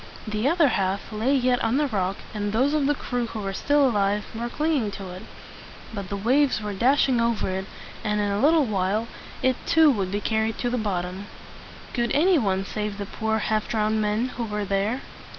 The other half lay yet on the rock, and those of the crew who were still alive were cling ing to it. But the waves were dashing over it, and in a little while it too would be carried to the bottom. Could any one save the poor, half drowned men who were there?